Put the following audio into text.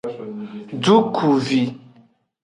Dukuvi.